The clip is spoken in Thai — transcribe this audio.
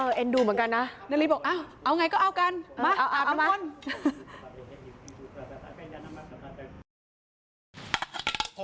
เอ็นดูเหมือนกันนะนาริสบอกเอาไงก็เอากันมาอาบน้ำมนต์